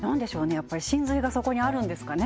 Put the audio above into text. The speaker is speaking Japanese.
やっぱり神髄がそこにあるんですかね？